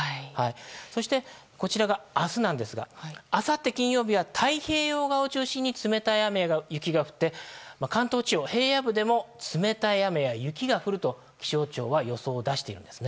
そして、明日なんですがあさって金曜日は太平洋側を中心に冷たい雨、雪が降って関東地方、平野部でも冷たい雨や雪が降ると気象庁は予想を出しているんですね。